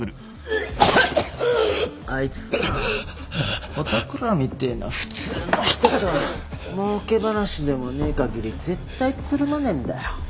あいつさお宅らみてえな普通の人とはもうけ話でもねえかぎり絶対つるまねえんだよ。